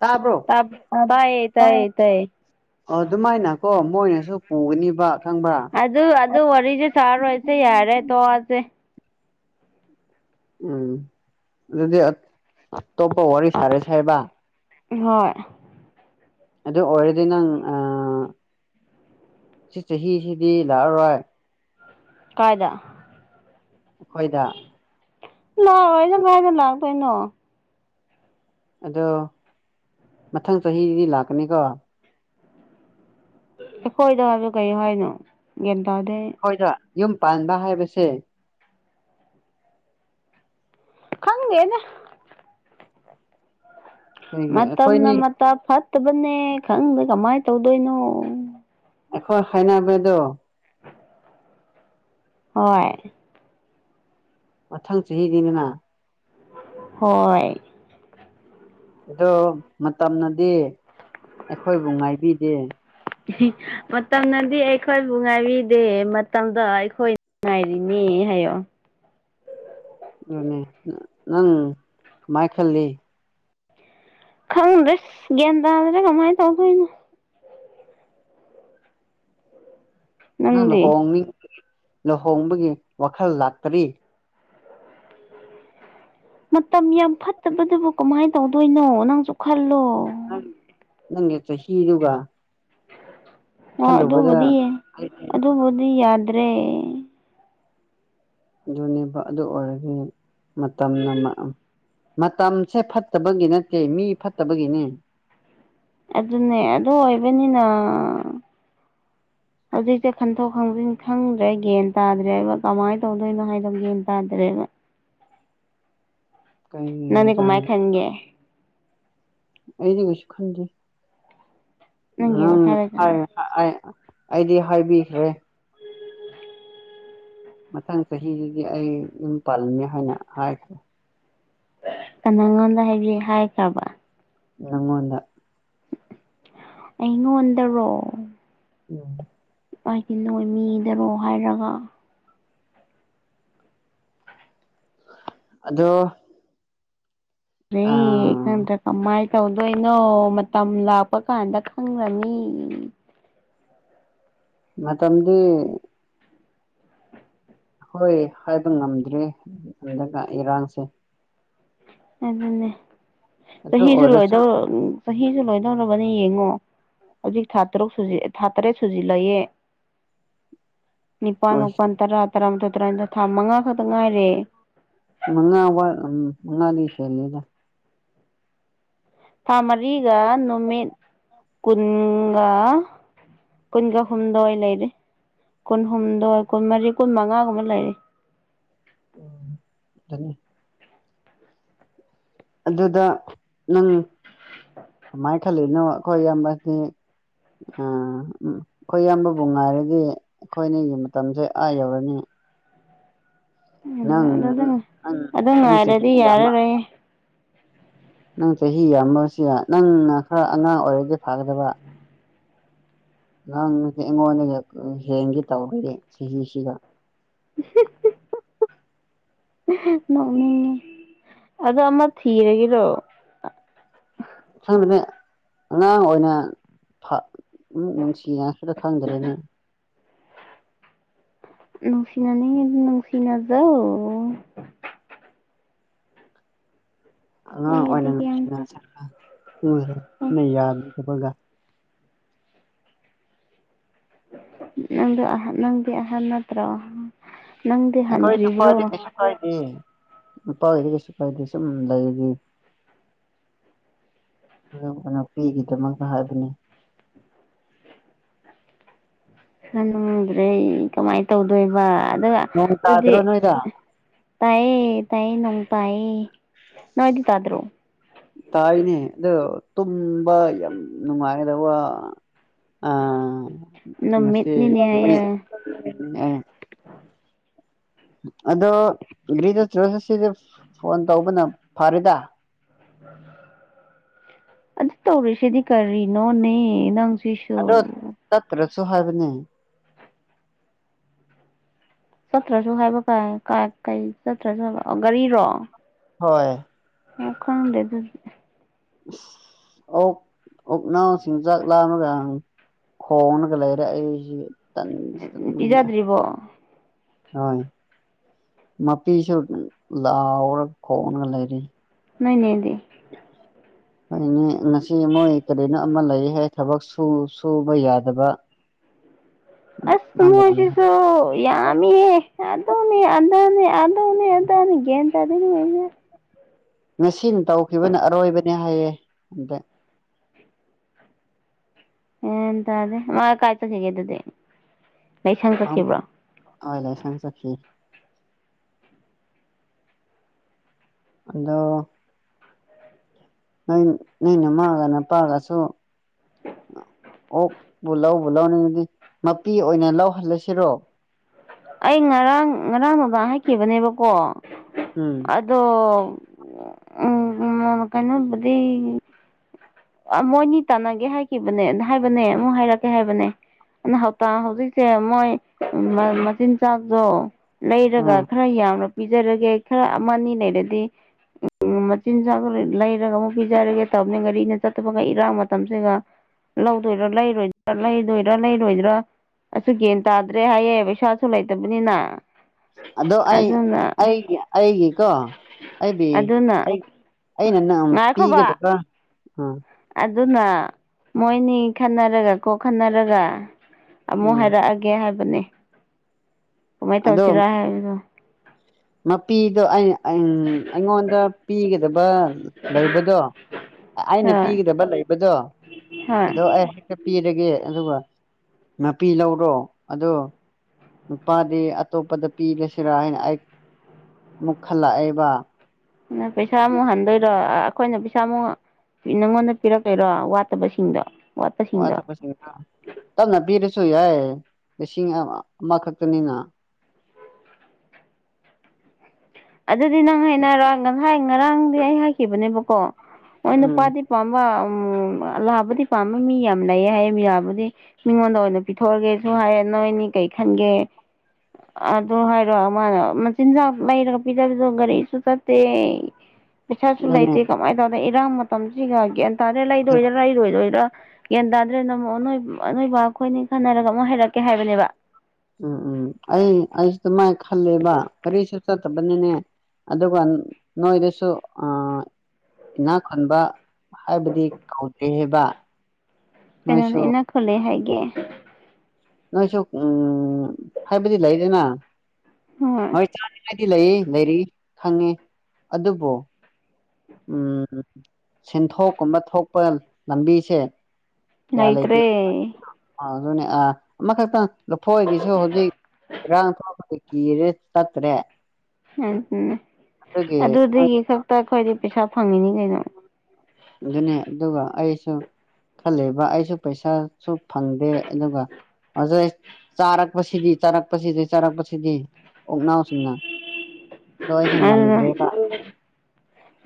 ꯇꯥꯕ꯭ꯔꯣ ꯇꯥꯏ ꯇꯥꯏꯌꯦ ꯑꯣ ꯗꯨꯃꯥꯏꯅ ꯀꯣ ꯃꯣꯏꯅꯖꯨ ꯄꯨꯒꯅꯤꯕ ꯈꯪꯕ꯭ꯔꯥ ꯑꯗꯨ ꯑꯗꯨ ꯋꯥꯔꯤꯖꯦ ꯁꯥꯔꯣꯏꯁꯦ ꯌꯥꯔꯦ ꯇꯣꯛꯑꯁꯦ ꯎꯝ ꯑꯗꯨꯗꯤ ꯑꯇꯣꯞꯄ ꯋꯥꯔꯤ ꯁꯥꯔꯁꯦ ꯍꯥꯏꯕ ꯎꯪꯍꯣꯏ ꯑꯗꯨ ꯑꯣꯏꯔꯗꯤ ꯅꯪ ꯑꯥꯑꯥ ꯁꯤꯆꯍꯤꯁꯤꯗꯤ ꯂꯥꯛꯑꯔꯣꯏ ꯀꯥꯏꯗ ꯑꯈꯣꯏꯗ ꯂꯥꯛꯑꯣꯏꯗ ꯀꯥꯏꯗ ꯂꯥꯛꯇꯣꯏꯅꯣ ꯑꯗꯣ ꯃꯊꯪ ꯆꯍꯤꯗꯤ ꯂꯥꯛꯀꯅꯤꯀꯣ ꯑꯩꯈꯣꯏꯗ ꯍꯥꯏꯕꯗꯣ ꯀꯔꯤ ꯍꯥꯏꯅꯣ ꯒ꯭ꯌꯥꯟ ꯇꯥꯗꯦ ꯑꯩ ꯑꯩꯈꯣꯏꯗ ꯌꯨꯝ ꯄꯥꯟꯕ ꯍꯥꯏꯕꯁꯦ ꯈꯪꯗꯦꯗ ꯀꯔꯤꯒꯤ ꯃꯇꯝꯅ ꯑꯩꯈꯣꯏꯅꯤ ꯃꯇꯝ ꯐꯠꯇꯕꯅꯦ ꯈꯪꯗꯦ ꯀꯃꯥꯏꯅ ꯇꯧꯗꯣꯏꯅꯣ ꯑꯩꯈꯣꯏ ꯍꯥꯏꯅꯕꯗꯣ ꯍꯣꯏ ꯃꯊꯪ ꯆꯍꯤꯅꯤꯗꯅ ꯍꯣꯏ ꯑꯗꯣ ꯃꯇꯝꯅꯗꯤ ꯑꯩꯈꯣꯏꯕꯨ ꯉꯥꯏꯕꯤꯗꯦ ꯑꯍꯤ ꯃꯇꯝꯅꯗꯤ ꯑꯩꯈꯣꯏꯕꯨ ꯉꯥꯏꯕꯤꯗꯦ ꯃꯇꯝꯗꯣ ꯑꯩꯈꯣꯏ ꯉꯥꯏꯔꯤꯅꯦ ꯍꯥꯏꯌꯣ ꯑꯗꯨꯅꯦ ꯅꯪ ꯀꯃꯥꯏ ꯈꯜꯂꯤ ꯈꯪꯗ꯭ꯔꯦ ꯒ꯭ꯌꯥꯟ ꯇꯥꯗꯔꯦ ꯀꯃꯥꯏꯅ ꯇꯧꯗꯣꯏꯅꯣ ꯅꯪ ꯅꯪꯗꯤ ꯂꯨꯍꯣꯡꯅꯤꯡ ꯂꯨꯍꯣꯡꯕꯒꯤ ꯋꯥꯈꯜ ꯂꯥꯛꯇꯔꯤ ꯃꯇꯝ ꯌꯥꯝ ꯐꯠꯇꯕꯗꯨꯕꯨ ꯀꯃꯥꯏꯅ ꯇꯧꯗꯣꯏꯅꯣ ꯅꯪꯁꯨ ꯈꯜꯂꯣ ꯅꯪ ꯅꯪꯒꯤ ꯆꯍꯤꯗꯨꯒ ꯑꯣ ꯈꯜꯂꯨꯕꯗ ꯑꯗꯨꯕꯨꯗꯤ ꯑꯩꯗꯤ ꯑꯗꯨꯕꯨꯗꯤ ꯌꯥꯗ꯭ꯔꯦ ꯑꯗꯨꯅꯦꯕ ꯑꯗꯨ ꯑꯣꯏꯔꯗꯤ ꯃꯇꯝꯅ ꯃꯇꯝꯁꯦ ꯐꯠꯇꯕꯒꯤ ꯅꯠꯇꯦ ꯃꯤ ꯐꯠꯇꯕꯒꯤꯅꯦ ꯑꯗꯨꯅꯦ ꯑꯗꯨ ꯑꯣꯏꯕꯅꯤꯅ [inaudible] ꯍꯧꯖꯤꯛꯁꯦ ꯈꯟꯗꯣꯛ ꯈꯟꯖꯤꯟ ꯈꯪꯗ꯭ꯔꯦ ꯒ꯭ꯌꯥꯟ ꯇꯥꯗ꯭ꯔꯦꯕ ꯀꯃꯥꯏꯅ ꯇꯧꯗꯣꯏꯅꯣ ꯍꯥꯏꯕ ꯒ꯭ꯌꯥꯟ ꯇꯥꯗ꯭ꯔꯦꯕ [inaudible] ꯀꯩꯒꯤꯅꯣ ꯅꯪꯗꯤ ꯀꯃꯥꯏ ꯇꯧꯔꯒ ꯈꯟꯒꯦ ꯑꯩꯗꯤ ꯀꯩꯁꯨ ꯈꯟꯗꯦ ꯅꯪꯒꯤ ꯅꯪ ꯋꯥꯈꯜꯗ ꯑꯩ ꯑꯩ ꯑꯩꯗꯤ ꯍꯥꯏꯕꯤꯈ꯭ꯔꯦ ꯃꯊꯪ ꯆꯍꯤꯗꯒꯤ ꯑꯩ ꯌꯨꯝ ꯄꯥꯜꯂꯅꯤ ꯍꯥꯏꯅ ꯍꯥꯏꯈ꯭ꯔꯦ ꯀꯅꯥꯉꯣꯟꯗ ꯍꯥꯏꯕꯤ ꯍꯥꯏꯈ꯭ꯔꯕ ꯅꯉꯣꯟꯗ ꯑꯩꯉꯣꯟꯗꯔꯣ ꯎ [unintelligible] ꯑꯩꯗꯤ ꯅꯣꯏ ꯃꯤꯗꯔꯣ ꯍꯥꯏꯔꯒ ꯑꯗꯣ ꯑꯥ ꯑꯦꯀꯟꯗ꯭ꯔ ꯀꯃꯥꯏ [unintelligible] ꯇꯧꯗꯣꯏꯅꯣ ꯃꯇꯝ ꯂꯥꯛꯄ ꯀꯥꯟꯗ ꯈꯪꯂꯅꯤ ꯃꯇꯝꯗꯤ ꯍꯣꯏ ꯍꯥꯏꯕ ꯉꯝꯗ꯭ꯔꯤ ꯍꯟꯗꯛ ꯏꯔꯥꯡꯁꯦ ꯑꯗꯨꯅꯦ ꯑꯗꯨ ꯆꯍꯤꯁꯨ ꯑꯣꯏꯔꯁꯨ ꯂꯣꯏꯗꯧ ꯆꯍꯤꯁꯨ ꯂꯣꯏꯗꯧꯔꯕꯅꯤ ꯌꯦꯡꯉꯣ ꯍꯧꯖꯤꯛ ꯊꯥ ꯇꯔꯨꯛ ꯊꯥ ꯇꯔꯦꯠ ꯁꯨꯖꯤꯜꯂꯛꯑꯦ [inaudible] ꯅꯤꯄꯥꯥꯟ ꯃꯄꯟ ꯇꯔꯥ ꯇꯔꯥꯃꯊꯣꯏ ꯇꯔꯥꯅꯤꯊꯣꯏ ꯊꯥ ꯃꯉꯥ ꯇꯛ ꯃꯉꯥꯋꯥ ꯃꯉꯥꯗꯤ ꯍꯦꯜꯂꯦꯗ ꯊꯥ ꯃꯔꯤꯒ ꯅꯨꯃꯤꯠ ꯀꯨꯟꯒ ꯀꯨꯟꯒ ꯍꯨꯝꯗꯣꯏ ꯂꯩꯔꯦ ꯀꯨꯟꯍꯨꯝꯗꯣꯏ ꯀꯨꯟꯃꯔꯤ ꯀꯨꯟ ꯃꯉꯥꯒꯨꯝꯕ ꯂꯩꯔꯦ ꯎꯝ ꯇꯅꯤ ꯑꯗꯨꯗ ꯅꯪ ꯀꯝꯃꯥꯏ ꯈꯜꯂꯤꯅꯣ ꯑꯈꯣꯏ ꯏꯌꯥꯝꯕꯗꯤ ꯑꯥ ꯑꯈꯣꯏ ꯏꯌꯥꯝꯕꯕꯨ ꯉꯥꯏꯔꯗꯤ ꯑꯩꯈꯣꯏꯅꯤꯒꯤ ꯃꯇꯝꯁꯦ ꯑꯥ ꯌꯧꯔꯅꯤ ꯅꯪ ꯅꯪ [unintelligible] ꯑꯗꯨ ꯅꯪ ꯆꯍꯤ ꯉꯥꯏꯔꯗꯤ ꯌꯥꯝꯕ ꯌꯥꯔꯔꯣꯏꯌꯦ ꯅꯪ ꯆꯍꯤ ꯌꯥꯝꯃꯁꯦ ꯅꯪꯅ ꯈꯔ ꯑꯉꯥꯡ ꯑꯣꯏꯔꯗꯤ ꯐꯒꯗꯕ ꯅꯪꯁꯦ ꯑꯩꯉꯣꯟꯗꯒꯤ ꯍꯦꯟꯒꯦ ꯇꯧꯈꯔꯦ ꯆꯍꯤꯁꯤꯒ [unintelligible] [unintelligible] ꯅꯣꯛꯅꯤꯡꯉꯦ ꯑꯗꯣ ꯑꯃ ꯊꯤꯔꯒꯦꯔꯣ ꯈꯪꯗꯦꯅꯦ ꯑꯉꯥꯡ ꯑꯣꯏꯅ ꯐ ꯑꯃꯨꯛ ꯅꯨꯡꯁꯤꯅꯁꯤꯔ ꯈꯪꯗ꯭ꯔꯦꯅꯦ ꯅꯨꯡꯁꯤꯅꯅꯤꯡꯉꯤꯗꯤ ꯅꯨꯡꯁꯤꯅꯖꯧ ꯑꯉꯥꯡ ꯑꯩꯒꯤꯗꯤ ꯑꯣꯏꯅ ꯀꯌꯥꯝ [unintelligible] ꯅꯪꯗꯨ ꯑꯍꯟ ꯅꯪꯗꯤ ꯑꯍꯟ ꯅꯠꯇ꯭ꯔꯣ ꯅꯪꯗꯤ ꯑꯈꯣꯏ ꯅꯨꯄꯥꯗꯤ ꯍꯟꯗ꯭ꯔꯤꯕ꯭ꯔꯣ ꯀꯩꯁꯨ ꯀꯥꯏꯗꯤꯌꯦ ꯅꯨꯄꯥꯒꯤꯗꯤ ꯀꯩꯁꯨ ꯀꯥꯏꯗꯦ ꯁꯨꯝ ꯂꯩꯔꯗꯤ [unintelligible] ꯅꯨꯄꯤꯒꯤꯗꯃꯛꯇ ꯍꯥꯏꯕꯅꯦ [unintelligible] ꯉꯝꯗ꯭ꯔꯦ ꯀꯝꯃꯥꯏ ꯇꯧꯗꯣꯏꯕ ꯑꯗꯨꯒ ꯅꯣꯡ ꯑꯗꯨꯗꯤ ꯇꯥꯗ꯭ꯔꯣ ꯅꯣꯏꯗ ꯇꯥꯏꯌꯦ ꯇꯥꯏꯌꯦ ꯅꯣꯡ ꯇꯥꯏꯌꯦ ꯅꯣꯏꯗꯤ ꯇꯥꯗ꯭ꯔꯣ ꯇꯥꯏꯅꯦ ꯑꯗꯣ ꯇꯨꯝꯕ ꯌꯥꯝ ꯅꯨꯡꯉꯥꯏꯒꯗꯧꯕ ꯑ ꯉꯁꯤ ꯅꯨꯃꯤꯠꯅꯤꯅꯦ ꯍꯥꯏꯌꯦ ꯅꯨꯃꯤꯠ [unintelligible] ꯑꯗꯣ [unintelligible] ꯐꯣꯟ ꯇꯧꯕꯅ ꯐꯔꯦꯗ ꯑꯗꯨ ꯇꯧꯔꯤꯁꯤꯗꯤ ꯀꯔꯤꯅꯣꯅꯦ ꯅꯪ ꯁꯤꯁꯨ ꯁꯨ ꯍꯥꯏꯕꯅꯦ ꯆꯠꯇ꯭ꯔꯁꯨ ꯍꯥꯏꯕ ꯀ [unintelligible] ꯀꯩ ꯆꯠꯇ꯭ꯔꯁꯨ ꯍꯥꯏꯕ ꯑꯣ ꯒꯥꯔꯤꯔꯣ ꯍꯣꯏ ꯑꫭ ꯈꯪꯗꯦ ꯑꯗꯨꯗꯤ ꯏꯁ ꯑꯣꯛ ꯑꯣꯛꯅꯥꯎꯁꯤꯡ‌ ꯆꯥꯛ ꯂꯥꯝꯃꯒ ꯈꯣꯡꯂꯒ ꯂꯩꯔꯦ ꯑꯩꯁꯤ ꯇꯟꯗꯤ ꯇꯟꯕꯅꯤ ꯄꯤꯖꯗ꯭ꯔꯤꯕꯣ ꯍꯣꯏ ꯃꯄꯤꯁꯨ ꯂꯥꯎꯔꯒ ꯈꯣꯡꯂꯒ ꯂꯩꯔꯦꯅꯦ ꯅꯣꯏ ꯅꯦꯗꯤ ꯈꯣꯏ ꯏꯅꯦ ꯉꯁꯤ ꯃꯣꯏ ꯀꯔꯤꯅꯣ ꯑꯃ ꯂꯩꯌꯦ ꯍꯥꯏ ꯊꯕꯛ ꯁꯨ ꯁꯨꯕ ꯌꯥꯗꯕ [inaudible] ꯑꯁ [unintelligible] ꯃꯣꯏꯁꯤꯁꯨ ꯌꯥꯝꯃꯤꯍꯦ ꯑꯗꯨꯅꯦ ꯑꯗꯥꯅꯦ ꯑꯗꯨꯅꯦ ꯑꯗꯥꯅꯤ ꯒ꯭ꯌꯥꯟ ꯇꯥꯗꯦꯅꯦ [unintelligible] ꯉꯁꯤꯅ ꯇꯧꯈꯤꯕꯅ ꯑꯔꯣꯏꯕꯅꯦ ꯍꯥꯏꯌꯦ ꯍꯟꯗꯛ ꯌꯥꯟ ꯇꯥꯗꯦ ꯃꯥ ꯀꯥꯏ ꯆꯠꯈꯤꯒꯦ ꯑꯗꯨꯗꯤ ꯂꯥꯏꯁꯪ ꯆꯠꯈꯤꯕ꯭ꯔꯣ [unintelligible] ꯂꯥꯏꯁꯪ ꯆꯠꯈꯤ ꯑꯗꯣ ꯅꯣꯏ ꯅꯣꯏ ꯅꯃꯥꯒ ꯅꯄꯥꯒꯁꯨ [unintelligible] ꯑꯣꯛꯄꯨ ꯂꯧꯕꯨ ꯂꯧꯅꯤꯡꯉꯗꯤ ꯃꯄꯤ ꯑꯣꯏꯅ ꯂꯧꯍꯜꯂꯁꯤꯔꯣ ꯑꯩ ꯉꯔꯥꯡ ꯉꯔꯥꯡ ꯕꯥꯕꯥꯟ ꯍꯥꯏꯈꯤꯕꯅꯦꯕꯀꯣ ꯎꯝ ꯑꯗꯣ [unintelligible] ꯎꯝ [unintelligible] ꯀꯩꯅꯣꯕꯨꯗꯤ ꯑ ꯃꯣꯏꯅꯤ ꯇꯥꯟꯅꯒꯦ ꯍꯥꯏꯈꯤꯕꯅꯦ ꯅ ꯍꯥꯏꯕꯅꯦ ꯑꯃꯨꯛ ꯍꯥꯏꯔꯛꯀꯦ ꯍꯥꯏꯕꯅꯦ [unintelligible] ꯍꯥꯎꯇꯥ ꯍꯧꯖꯤꯛꯁꯦ ꯃꯣꯏ ꯎꯝ ꯃ ꯃꯆꯤꯟ ꯆꯥꯛꯗꯣ ꯂꯩꯔꯒ ꯎꯝ ꯈꯔ ꯌꯥꯝꯅ ꯄꯤꯖꯔꯒꯦ ꯈꯔ ꯑꯃ ꯑꯅꯤ ꯂꯩꯔꯗꯤ ꯎꯝ [unintelligible] ꯃꯆꯤꯟꯖꯥꯛꯁꯨ ꯂ ꯂꯩꯔꯒ ꯑꯃꯨꯛ ꯄꯤꯖꯔꯒꯦ ꯇꯧꯕꯅꯦ ꯉꯔꯤꯅ ꯆꯠ [unintelligible] ꯏꯔꯥꯡ ꯃꯇꯝꯁꯤꯒ ꯂꯧꯗꯣꯏꯔꯥ ꯂꯩꯔꯣꯏ [unintelligible] ꯂꯩꯗꯣꯏꯔꯥ ꯂꯩꯔꯣꯏꯗ꯭ꯔꯥ ꯑꯁꯨ ꯒꯦꯟ ꯇꯥꯗ꯭ꯔꯦ ꯍꯥꯏꯌꯦ ꯄꯩꯁꯥꯁꯨ ꯂꯩꯇꯕꯅꯤꯅ ꯑꯗꯣ ꯑꯩ ꯑꯗꯨꯅ ꯑꯩꯒꯤ ꯑꯩꯒꯤꯀꯣ ꯑꯩꯕꯤ ꯑꯗꯨꯅ ꯑꯩ ꯑꯩꯅ ꯅꯝ ꯉꯥꯏꯈꯣꯕ ꯄꯤꯒꯗꯕ꯭ꯔꯥ ꯎꯝ ꯑꯗꯨꯅ ꯃꯣꯏꯅꯤ ꯈꯠꯅꯔꯒ ꯀꯣ ꯈꯟꯅꯔꯒ ꯑꯃꯨꯛ ꯎꯝ ꯍꯥꯏꯔꯛꯑꯒꯦ ꯍꯥꯏꯕꯅꯦ ꯀꯃꯥꯏ ꯑꯗꯣ ꯇꯧꯁꯤꯔꯥ ꯍꯥꯏꯕꯗꯣ ꯃꯄꯤꯗꯣ ꯑꯩ ꯑꯩꯉ ꯑꯩꯉꯣꯟꯗ ꯄꯤꯒꯗꯕ ꯂꯩꯕꯗꯣ ꯑꯩꯅ ꯍꯣꯏ ꯄꯤꯒꯗꯕ ꯂꯩꯕꯗꯣ ꯑꯗꯣ ꯍꯣꯏ ꯑꯩ [unintelligible] ꯄꯤ ꯄꯤꯔꯒꯦ ꯑꯗꯨꯒ ꯃꯥꯄꯤ ꯂꯧꯔꯣ ꯑꯗꯣ ꯅꯨꯄꯥꯗꯤ ꯑꯇꯣꯞꯄꯗ ꯄꯤꯒ꯭ꯔꯁꯦꯔꯥ ꯍꯥꯏꯅ ꯑꯩ ꯃꯨꯛ ꯈꯜꯂꯛꯑꯦꯕꯥ [unintelligible] ꯄꯩꯁꯥꯃꯨꯛ ꯍꯟꯗꯣꯏꯔꯣ ꯑꯥ ꯑꯈꯣꯏꯅ ꯄꯩꯁꯥꯃꯨꯛ ꯅꯉꯣꯟꯗ ꯄꯤꯔꯛꯇꯣꯏꯔꯣ ꯋꯥꯠꯇꯕꯁꯤꯡꯗꯣ ꯑꯥ ꯋꯥꯠꯄꯁꯤꯡꯗꯣ ꯑꯇꯣꯞꯄꯁꯤꯡꯗꯣ [unintelligible] ꯇꯞꯅ ꯄꯤꯔꯁꯨꯨ ꯌꯥꯏ ꯂꯤꯁꯤꯡ [unintelligible] ꯑꯃ ꯈꯛꯇꯅꯤꯅꯥ ꯑꯗꯨꯗꯤ ꯅꯪ ꯍꯥꯏꯅꯔꯣ ꯉꯁꯥꯏ ꯉꯔꯥꯡꯗꯤ ꯑꯩ ꯍꯥꯏꯈꯤꯕꯅꯦꯕꯀꯣ ꯍꯣꯏ ꯎꯝ ꯅꯨꯄꯥꯗꯤ ꯄꯥꯝꯕ [unintelligible] ꯑꯑꯂꯥꯕꯗꯤ ꯄꯥꯝꯕ ꯃꯤ ꯌꯥꯝ ꯂꯩꯌꯦ ꯍꯥꯏꯌꯦ ꯃꯤꯔꯥꯕꯨꯗꯤ ꯃꯤꯉꯣꯟꯗ ꯑꯣꯏꯅ ꯄꯤꯊꯣꯛꯑꯒꯦꯁꯨ ꯍꯥꯏꯌꯦ ꯅꯣꯏꯅꯤ ꯀꯩ ꯈꯟꯒꯦ ꯑ ꯑꯗꯨ ꯍꯥꯏꯔꯣ ꯃꯥꯅ ꯃꯆꯤꯟꯖꯥꯛ ꯂꯩꯔꯒ ꯄꯤꯖꯔꯁꯨ ꯒꯔꯤꯁꯨ ꯆꯠꯇꯦ ꯄꯩꯁꯥꯁꯨ ꯑꯗꯨꯅꯦ ꯂꯩꯥꯇꯦ ꯀꯃꯥꯏ ꯇꯧ ꯏꯔꯥꯡ ꯃꯇꯝꯁꯤꯒ ꯒ꯭ꯌꯥꯟ ꯇꯥꯗꯦ ꯂꯩꯗꯣꯏꯔꯥ ꯂꯩꯔꯣꯏꯗꯣꯏꯔꯥ ꯒꯌꯥꯟ ꯇꯥꯗ꯭ꯔꯦꯅ ꯑꯃꯨꯛ ꯅꯣꯏ [unintelligible] ꯅꯣꯏ ꯕꯥ ꯑꯈꯣꯏꯅꯤ ꯈꯟꯅꯔꯒ ꯑꯃꯨꯛ ꯍꯩꯔꯛꯀꯦ ꯍꯥꯏꯕꯅꯦꯕꯥ ꯎꯝ ꯎꯝ ꯑꯩ ꯑꯩꯁꯨ ꯑꯗꯨꯃꯥꯏ ꯈꯜꯂꯦꯕꯥ ꯀꯔꯤꯁꯨ ꯆꯠꯇꯕꯅꯤꯅꯦ ꯑꯗꯨꯒ [unintelligible] ꯅꯣꯏꯗꯁꯨ ꯑꯥ ꯏꯅꯥꯛ ꯈꯨꯟꯕ ꯍꯥꯏꯕꯗꯤ ꯀꯧꯗꯦꯕꯥ ꯀꯅꯥꯅ ꯏꯅꯥꯛ ꯈꯨꯜꯂꯦ ꯍꯥꯏꯒꯦ ꯅꯣꯏꯁꯨ ꯎꯝ ꯍꯥꯏꯕꯗꯤ ꯂꯩꯌꯦꯗꯅꯥ ꯍꯣꯏ [unintelligible] ꯁꯤ ꯂꯩꯌꯦ ꯂꯩꯔꯤ ꯈꯪꯉꯦ ꯑꯗꯨꯕꯨ ꯎꯝ ꯁꯦꯟꯊꯣꯛꯀꯨꯝꯕ ꯊꯣꯛꯄ ꯂꯝꯕꯤꯁꯦ ꯂꯩꯇ꯭ꯔꯦ ꯑꯥ ꯑꯗꯨꯅꯦ ꯑꯥ ꯑꯃꯈꯛꯇꯪ ꯂꯐꯣꯏꯒꯤꯁꯨ ꯍꯧꯖꯤꯛ ꯏꯔꯥꯡ ꯊꯣꯛꯑꯒ [unintelligible] ꯀꯤꯔꯦ ꯆꯠꯇ꯭ꯔꯦ [unintelligible] ꯑꯗꯨꯒꯤ ꯑꯗꯨꯗꯒꯤ ꯈꯛꯇ ꯑꯈꯣꯏꯗꯤ ꯄꯩꯁꯥ ꯐꯪꯉꯤꯅꯤ ꯀꯩꯅꯣ ꯑꯗꯨꯅꯦ ꯑꯗꯨꯒ ꯑꯩꯁꯨ ꯈꯜꯂꯦꯕꯥ ꯑꯩꯁꯨ ꯄꯩꯁꯥꯁꯨ ꯐꯪꯗꯦ ꯑꯗꯨꯒ [unintelligible] ꯆꯥꯔꯛꯄꯁꯤꯗꯤ ꯆꯥꯔꯛꯄꯁꯤꯗꯤ ꯆꯥꯔꯛꯄꯁꯤꯗꯤ ꯑꯣꯛꯅꯥꯎꯁꯤꯡꯅ ꯅꯣꯏꯁꯨ ꯑꯗꯨꯅ ꯉꯝꯗ꯭ꯔꯦꯕ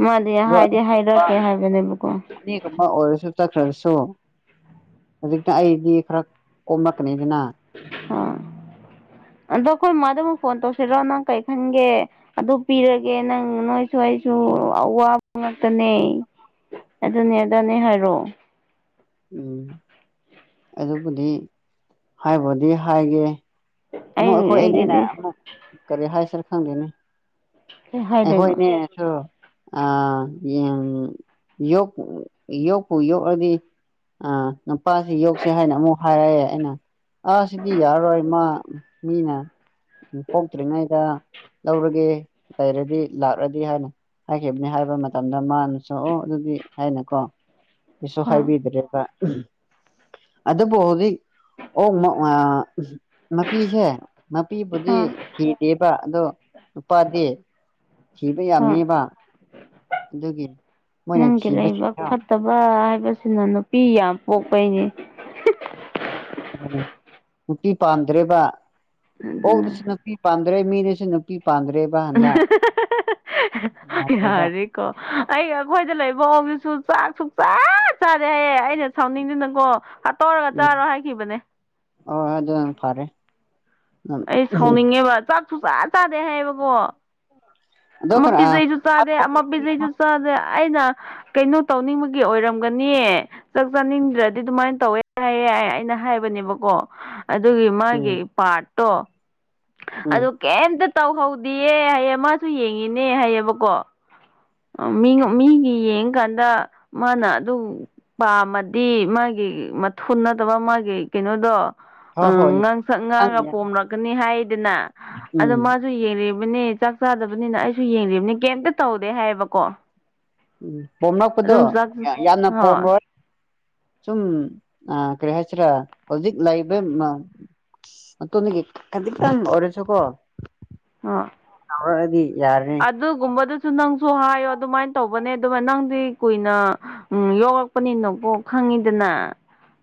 ꯃꯥꯗꯤ ꯍꯥꯏꯗꯤ ꯑꯅꯤꯒꯨꯝꯕ ꯍꯥꯏꯔꯛꯀꯦ ꯍꯥꯏꯕꯅꯦꯕꯀꯣ ꯆꯠꯈ꯭ꯔꯕꯁꯨ ꯍꯧꯖꯤꯛꯇ ꯑꯩꯗꯤ ꯈꯔ ꯀꯣꯝꯃꯛꯀꯅꯤꯗꯅ ꯍꯣꯏ ꯑꯗꯣ ꯑꯩꯈꯣꯏ ꯃꯥꯥꯗ ꯑꯃꯨꯛ ꯐꯣꯟ ꯇꯧꯁꯤꯔꯣ ꯅꯪ ꯀꯔꯤ ꯈꯟꯒꯦ ꯑꯗꯨ ꯄꯤꯔꯒꯦ ꯅꯪ ꯅꯣꯏꯁꯨ ꯑꯩꯁꯨ ꯑꯋꯥꯕ ꯉꯥꯛꯇꯅꯦ ꯑꯗꯨꯅꯦ ꯑꯗꯥꯅꯦ ꯍꯥꯏꯔꯣ ꯎꯝ ꯑꯗꯨꯕꯨꯗꯤ ꯍꯥꯏꯕꯨꯗꯤ ꯍꯥꯏꯒꯦ ꯑꯩ ꯑꯃꯨꯛ ꯑꯩꯈꯣꯏ ꯑꯅꯤꯅ ꯑꯩꯒꯤꯗꯤ ꯑꯃꯨꯛ ꯀꯔꯤ ꯍꯥꯏꯁꯤꯔ ꯈꯪꯗꯦꯅꯦ ꯀꯩ ꯍꯥꯏꯗꯣꯏꯕ ꯑꯩꯈꯣꯏꯅꯦꯁꯨ ꯑꯥ ꯌꯦꯟ ꯌꯣꯛ ꯌꯣꯛꯄꯨ ꯌꯣꯛꯑꯗꯤ ꯑꯥ ꯅꯨꯄꯥꯁꯤ ꯌꯧꯛꯁꯦ ꯍꯥꯏꯅ ꯑꯃꯨꯛ ꯍꯥꯏꯔꯛꯑꯦ ꯑꯩꯅ ꯑꯥ ꯁꯤꯗꯤ ꯌꯥꯔꯔꯣꯏ ꯃꯥ ꯃꯤꯅ ꯎꯝ ꯄꯣꯛꯇ꯭ꯔꯤꯉꯩꯗ ꯂꯧꯔꯒꯦ ꯂꯩꯔꯗꯤ ꯂꯥꯛꯂꯗꯤ ꯍꯥꯏꯅ ꯍꯥꯏꯈꯤꯕꯅꯤ ꯍꯥꯏꯕ ꯃꯇꯝꯗ ꯃꯥꯅꯨꯁ ꯑꯣ ꯑꯗꯨꯗꯤ ꯍꯥꯏꯅꯀꯣ ꯀꯩꯁꯨ ꯍꯥ ꯍꯥꯏꯕꯤꯗ꯭ꯔꯦꯕ ꯑꯗꯕꯨ ꯍꯧꯖꯤꯛ ꯑꯣꯛ ꯑꯃꯨꯛ ꯑꯥ ꯃꯄꯤꯁꯦ ꯍꯥ ꯃꯄꯤꯕꯨꯗꯤ ꯊꯤꯗꯦꯕ ꯑꯗꯣ ꯅꯨꯄꯥꯗꯤ ꯊꯤꯕ ꯍꯥ ꯌꯥꯝꯃꯦꯕ ꯑꯗꯨꯒꯤ ꯃꯣꯏꯅ ꯅꯪꯒꯤ ꯊꯤꯕꯕꯁꯤ ꯄꯤ ꯌꯥꯝ ꯄꯣꯛꯄꯩꯅꯦ ꯍꯤꯍꯤ ꯑꯣ ꯅꯨꯄꯤ ꯄꯥꯝꯗ꯭ꯔꯦꯕ ꯑꯗꯨꯅ ꯑꯣꯛꯗꯁꯨ ꯅꯨꯄꯤ ꯄꯥꯝꯗ꯭ꯔꯦ ꯃꯤꯗꯁꯨ ꯅꯨꯄꯤ ꯄꯥꯝꯗ꯭ꯔꯦꯕ ꯍꯟꯗꯛ ꯑꯍꯤꯍꯤꯍꯤꯍꯤ ꯌꯥꯗ꯭ꯔꯦꯕ ꯌꯥꯔꯦꯀꯣ ꯑꯩ ꯑꯩꯈꯣꯏꯗ ꯂꯩꯕ ꯑꯣꯛꯇꯨꯁꯨ ꯆꯥꯛꯁꯨ ꯁꯨꯛꯆꯥ ꯆꯥꯗꯦ ꯍꯥꯏꯌꯦ ꯑꯩꯅ ꯁꯥꯎꯅꯤꯡꯗꯅꯀꯣ ꯇꯣꯛꯔꯒ ꯆꯥꯔꯣ ꯍꯥꯏꯈꯤꯕꯅꯦ ꯑꯣ ꯑꯗꯨꯅ ꯐꯔꯦ ꯎꯝ ꯑꯩ ꯁꯥꯎꯅꯤꯡꯉꯦꯕ ꯆꯥꯛ ꯁꯨꯛꯆꯥ ꯆꯥꯗꯦ ꯍꯥꯏꯌꯦꯕꯀꯣ ꯑꯗꯣ ꯑꯃ ꯈꯔ ꯄꯤꯖꯩꯁꯨ ꯆꯥꯗꯦ ꯑꯃ ꯄꯤꯖꯩꯁꯨ ꯆꯥꯗꯦ ꯑꯩꯅ ꯀꯩꯅꯣ ꯇꯧꯅꯤꯡꯕꯒꯤ ꯒꯤ ꯑꯣꯏꯔꯝꯒꯅꯤ ꯆꯥꯛ ꯆꯥꯅꯤꯡꯗ꯭ꯔꯗꯤ ꯑꯗꯨꯃꯥꯏꯅ ꯇꯧꯋꯦ ꯍꯥꯏꯌꯦ ꯑꯩꯅ ꯍꯥꯏꯕꯅꯦꯕꯀꯣ ꯑꯗꯨꯒꯤ ꯃꯥꯒꯤ ꯎꯝ ꯄꯥꯔꯠꯇꯣ ꯎꯝ ꯑꯗꯨ ꯀꯩꯝꯇ ꯇꯧꯍꯧꯗꯤꯌꯦ ꯍꯥꯏꯌꯦ ꯃꯥꯁꯨ ꯌꯦꯡꯉꯤꯅꯦ ꯍꯥꯏꯌꯦꯕꯀꯣ ꯃꯤ ꯃꯤꯒꯤ ꯌꯦꯡꯀꯥꯟꯗ ꯃꯥꯅ ꯑꯗꯨ ꯄꯥꯝꯃꯗꯤ ꯃꯥꯒꯤ ꯒꯤ ꯃꯊꯨꯟ ꯅꯠꯇꯕ ꯃꯥꯒꯤ ꯀꯩꯅꯣꯗꯣ ꯍꯣꯏ ꯎꯝ ꯍꯣꯏ ꯉꯪ ꯁꯛ ꯉꯥꯡꯉꯒ ꯈꯪꯉꯦ ꯄꯣꯝꯂꯛꯀꯅꯤ ꯍꯥꯏꯌꯦ ꯑꯗꯨꯅ ꯎꯝ ꯑꯗꯣ ꯃꯥꯁꯨ ꯌꯦꯡꯂꯤꯕꯅꯦ ꯆꯥꯛ ꯆꯥꯗꯕꯅꯤꯅ ꯑꯩꯁꯨ ꯌꯦꯡꯂꯤꯕꯅꯤ ꯀꯩꯝꯇ ꯇꯧꯗꯦ ꯍꯥꯏꯌꯦꯕꯀꯣ ꯎꯝ ꯄꯣꯝꯂꯛꯄꯗꯣ ꯑꯗꯨꯝ ꯆꯥꯛ ꯌꯥꯝꯅ ꯍꯣꯏ ꯄꯣꯝꯔꯣꯏ ꯁꯨꯝ ꯑꯥ ꯀꯔꯤ ꯍꯥꯏꯁꯤꯔꯥ ꯍꯧꯖꯤꯛ ꯂꯩꯕ ꯃ ꯃꯇꯣꯟꯗꯒꯤ ꯈꯖꯤꯛꯇꯡ ꯑꯣꯏꯔꯁꯨ ꯀꯣ ꯍꯥ ꯍꯥ ꯍꯥꯗꯤ [unintelligible] ꯑꯗꯒꯨꯨꯝꯕꯗꯨꯁꯨ ꯅꯪꯁꯨ ꯁꯨ ꯍꯥꯏꯌꯣ ꯑꯗꯨꯃꯥꯏꯅ ꯇꯧꯕꯅꯦ ꯑꯗꯨꯃꯥꯏ ꯅꯪꯗꯤ ꯀꯨꯏꯅ ꯌꯣꯛꯂꯛꯄꯅꯤꯅꯀꯣ ꯈꯪꯉꯤꯗꯅ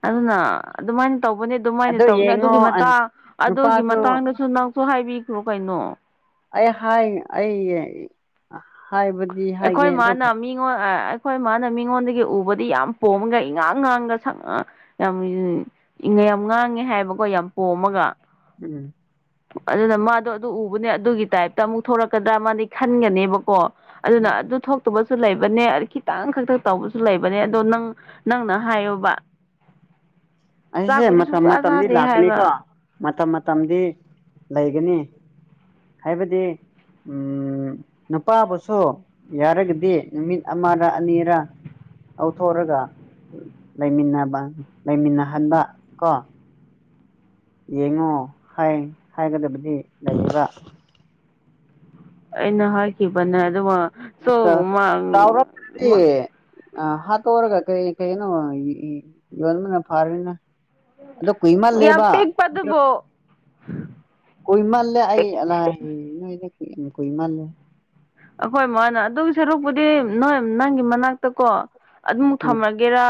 ꯑꯗꯨꯅ ꯑꯗꯨꯃꯥꯏꯅ ꯇꯧꯕꯅꯦ ꯑꯗꯨꯃꯥꯏꯅ ꯑꯗꯣ ꯇꯧꯕꯅꯦ ꯌꯦꯡꯉꯣ ꯑꯗꯨꯒꯤ ꯃꯇꯥꯡ ꯑꯗꯨꯒꯤ ꯅꯨꯄꯥꯁꯨ ꯃꯇꯥꯡꯗꯁꯨ ꯅꯪꯁꯨ ꯍꯥꯏꯕꯤ ꯔꯣ ꯀꯩꯏꯅꯣ ꯑꯩ ꯍꯥꯏ ꯑꯩ ꯍꯥꯏꯕꯗꯤ ꯍꯥꯏꯒꯦ ꯑꯩꯈꯣꯏ ꯃꯥꯅ ꯑꯗꯨꯕꯨ ꯃꯤꯉꯣꯟ ꯑꯥ ꯑꯥ ꯑꯩꯈꯣꯏ ꯃꯥꯅ ꯃꯤꯉꯣꯟꯗꯒꯤ ꯎꯕꯗꯤ ꯌꯥꯝ ꯄꯣꯝꯃꯒ ꯏꯉꯥꯡ ꯉꯥꯡꯒ ꯌꯥꯝ ꯌꯥꯝ ꯉꯥꯡꯉꯦ ꯍꯥꯏꯕꯀꯣ ꯌꯥꯝ ꯄꯣꯝꯃꯒ ꯎꯝ ꯑꯗꯨꯅ ꯃꯥꯗꯣ ꯑꯗꯨ ꯎꯕꯅꯦ ꯑꯗꯨꯒꯤ ꯇꯥꯏꯞꯇ ꯑꯃꯨꯛ ꯊꯣꯔꯛꯀꯗ꯭ꯔꯥ ꯃꯥꯗꯤ ꯈꯟꯒꯅꯤꯕꯀꯣ ꯑꯗꯨꯅ ꯎꯝ ꯑꯗꯨ ꯊꯣꯛꯇꯕꯁꯨ ꯁꯨ ꯂꯩꯕꯅꯦ ꯈꯤꯇꯪ ꯈꯛꯇ ꯇꯧꯕꯁꯨ ꯂꯩꯕꯅꯦ ꯑꯗꯣ ꯅꯪ ꯅꯪꯅ ꯍꯥꯏꯌꯣꯕ ꯑꯁꯤꯁꯦ ꯆꯥꯛꯄꯨꯗꯤ ꯃꯇꯝ ꯁꯨꯡꯆꯥ ꯃꯇꯝꯗꯤ ꯆꯥꯗꯦ ꯂꯥꯛꯀꯅꯤꯀꯣ ꯍꯥꯏꯕ ꯃꯇꯝ ꯃꯇꯝꯗꯤ ꯂꯩꯒꯅꯤ ꯍꯥꯏꯕꯗꯤ ꯎꯝ ꯅꯨꯄꯥꯕꯨꯁꯨ ꯌꯥꯔꯒꯗꯤ ꯅꯨꯃꯤꯠ ꯑꯃꯔ ꯑꯅꯤꯔ ꯂꯧꯊꯣꯛꯑꯒ ꯂꯩꯃꯤꯟꯅꯕ ꯂꯩꯃꯤꯟꯅꯍꯟꯕ ꯀꯣ ꯌꯦꯡꯉꯣ ꯍꯥꯏ ꯍꯥꯏꯒꯗꯕꯗꯤ ꯂꯩꯌꯦꯕ ꯑꯩꯅ ꯍꯥꯏꯈꯤꯕꯅꯦ ꯑꯗꯨ ꯋꯥ [unintelligible] ꯑ ꯍꯥꯠꯇꯣꯛꯔꯒ ꯀꯩ ꯀꯩꯅꯣ ꯌꯣꯟꯕꯅ ꯐꯥꯔꯔꯤꯅ ꯑꯗꯣ ꯌꯥꯝ ꯀꯨꯏꯃꯜꯂꯦꯕ ꯄꯤꯛꯄ ꯑꯗꯨꯕꯨ [inaudible] ꯀꯣꯏꯃꯜꯂꯦ ꯑꯩ ꯄꯤꯛ ꯑꯅꯒꯤ ꯅꯣꯏꯖꯦ ꯀꯨꯏ ꯀꯨꯏꯃꯜꯂꯦ ꯑꯩꯈꯣꯏ ꯃꯥꯅ ꯑꯗꯨꯏ ꯁꯔꯨꯛꯄꯨꯗꯤ ꯅꯣꯏ ꯅꯪꯒꯤ ꯃꯅꯥꯛꯇ ꯀꯣ ꯑꯗꯨꯝꯃꯨ ꯎꯝ ꯊꯝꯃꯒꯦꯔꯥ